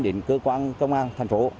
đến cơ quan công an thành phố